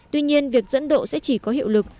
tuy nhiên việc dẫn độ sẽ chỉ có hiệu lực